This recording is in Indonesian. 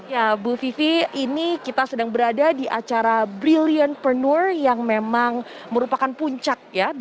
ya bu vivi ini kita sedang berada di acara brilliantpreneur yang memang merupakan puncak ya